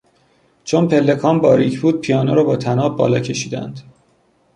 چون پلکان باریک بود پیانو را با طناب بالا کشیدند.